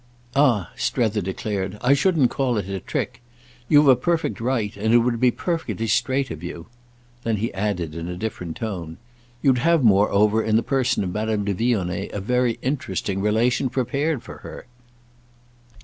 "Ah," Strether declared, "I shouldn't call it a trick. You've a perfect right, and it would be perfectly straight of you." Then he added in a different tone: "You'd have moreover, in the person of Madame de Vionnet, a very interesting relation prepared for her."